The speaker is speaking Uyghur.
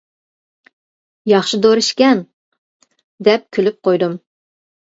-ياخشى دورا ئىكەن، -دەپ كۈلۈپ قويدۇم.